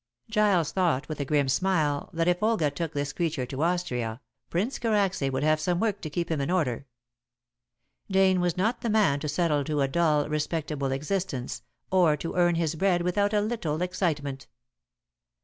Giles thought with a grim smile that if Olga took this creature to Austria, Prince Karacsay would have some work to keep him in order. Dane was not the man to settle to a dull, respectable existence or to earn his bread without a little excitement.